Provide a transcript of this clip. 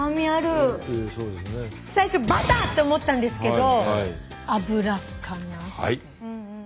最初バターって思ったんですけど油かなって。